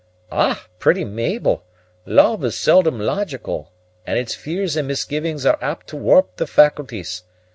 "Ah, my pretty Mabel, love is seldom logical, and its fears and misgivings are apt to warp the faculties.